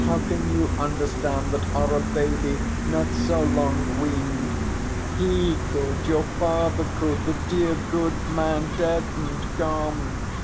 "How can you understand, that are a baby, not so long weaned? He could your father could, the dear good man, dead and gone!